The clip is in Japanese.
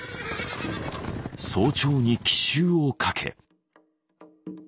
早朝に奇襲をかけ。